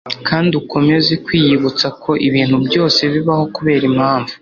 kandi ukomeze kwiyibutsa ko ibintu byose bibaho kubera impamvu